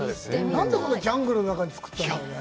なんでジャングルの中に作ったんだろうね。